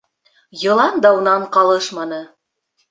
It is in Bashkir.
Йылан да унан ҡалышманы.